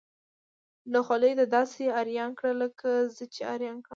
نو خولي ده داسې اریان کړه لکه زه چې اریان کړم.